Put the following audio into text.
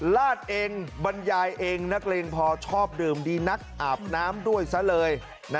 ลาดเองบรรยายเองนักเลงพอชอบดื่มดีนักอาบน้ำด้วยซะเลย